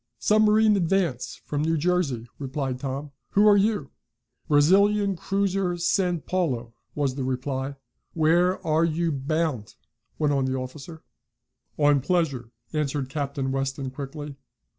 "Submarine, Advance, from New Jersey," replied Tom. "Who are you?" "Brazilian cruiser San Paulo," was the reply. "Where are you bound?" went on the officer. "On pleasure," answered Captain Weston quickly.